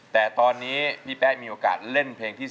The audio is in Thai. แต่ตอนนี้พี่แป๊ะมีโอกาสเล่นเพลงที่๓